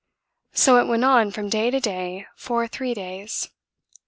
So it went on from day to day for three days.